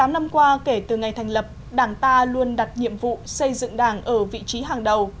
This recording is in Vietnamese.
tám mươi năm năm qua kể từ ngày thành lập đảng ta luôn đặt nhiệm vụ xây dựng đảng ở vị trí hàng đầu